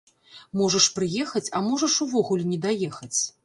Можаш прыехаць, а можаш увогуле не даехаць.